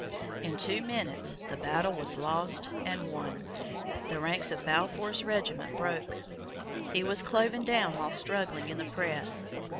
In two minutes the battle was lost and won. The ranks of Balfour's regiment broke. He was cloven down while struggling in the press.